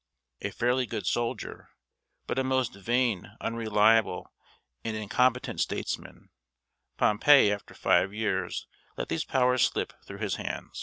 A fairly good soldier, but a most vain, unreliable, and incompetent statesman, Pompey after five years let these powers slip through his hands.